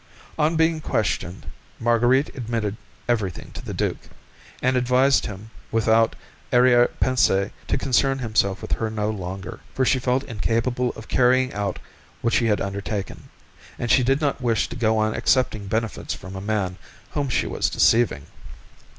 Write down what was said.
On being questioned, Marguerite admitted everything to the duke, and advised him, without arrière pensée, to concern himself with her no longer, for she felt incapable of carrying out what she had undertaken, and she did not wish to go on accepting benefits from a man whom she was deceiving.